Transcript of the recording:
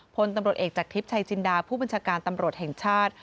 พลตำรวจเอกจากทิพย์ชัยจินดาผู้บัญชาการตำรวจแห่งชาติ